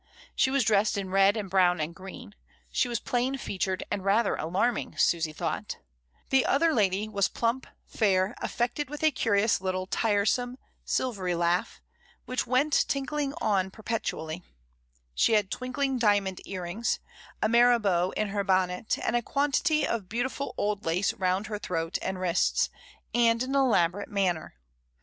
She was dressed in red and brown and green. She was plain featured and rather alarming Susy thought The other lady was plump, fair, affected with a curious little, tiresome, silvery laugh, which went tinkling on perpetually; she had twinkling dia mond earrings, a marabout in her bonnet, and a quantity of beautiful old lace round her throat and wrists, and an elaborate manner.